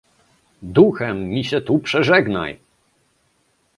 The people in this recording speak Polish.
"duchem mi się tu przeżegnaj!..."